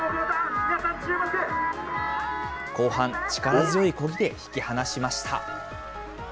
後半、力強いこぎで引き離しました。